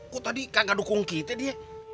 kok tadi kagak dukung kita dia